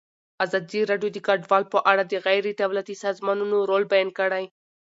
ازادي راډیو د کډوال په اړه د غیر دولتي سازمانونو رول بیان کړی.